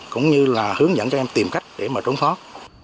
cũng như là hướng dẫn cho em tìm cách để mà trốn thoát